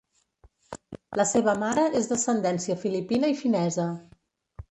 La seva mare és d'ascendència filipina i finesa.